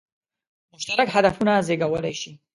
مشترک هدفونه زېږولای شي.